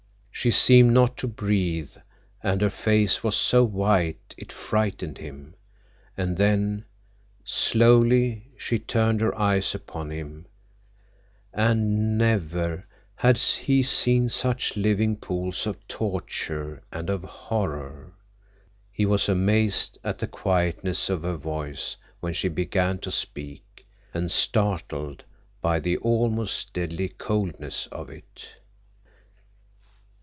She seemed not to breathe, and her face was so white it frightened him. And then, slowly, she turned her eyes upon him, and never had he seen such living pools of torture and of horror. He was amazed at the quietness of her voice when she began to speak, and startled by the almost deadly coldness of it.